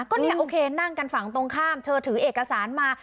ก็เนี่ยโอเคนั่งกันฝั่งตรงข้ามเธอถือเอกสารมา